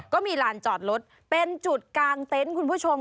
ก็มีลานจอดรถเป็นจุดกลางเต็นต์คุณผู้ชม